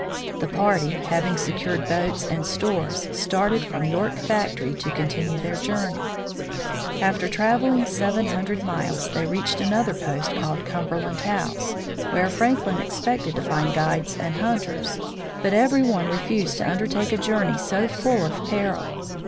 The party, having secured boats and stores, started from York Factory to continue their journey. 'After travel ing seven hundred miles, they reached another post called Cumberland House, where Franklin expected to find guides and hunters, but every one refused to undertake a journey so full of peril.